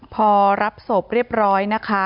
พอรับศพเรียบร้อยนะคะ